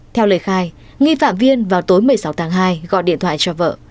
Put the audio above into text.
theo lời khai nghi phạm viên vào tối một mươi sáu tháng hai gọi điện thoại cho vợ